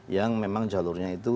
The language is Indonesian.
yang memang jalurnya itu